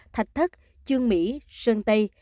thạch thất chương mỹ sơn tây